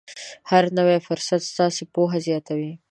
هر نوی فرصت ستاسې پوهه زیاتوي.